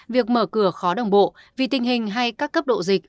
việc mở cửa khó đồng bộ vì tình hình hay các cấp độ dịch